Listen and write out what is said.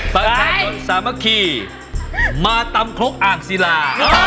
ประชาชนสามัคคีมาตำครกอ่างศิลา